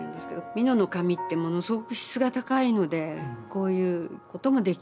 美濃の紙ってものすごく質が高いのでこういうこともできる。